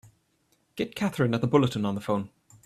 Get Katherine at the Bulletin on the phone!